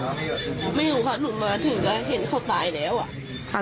ไม่รู้ค่ะหนูมาถึงแล้วเห็นเขาตายแล้ว